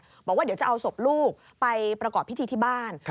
บอกว่าเดี๋ยวจะเอาศพลูกไปประกอบพิธีที่บ้าน